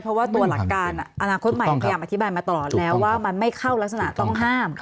เพราะว่าตัวหลักการอนาคตใหม่พยายามอธิบายมาตลอดแล้วว่ามันไม่เข้ารักษณะต้องห้าม